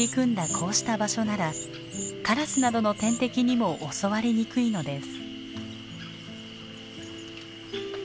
こうした場所ならカラスなどの天敵にも襲われにくいのです。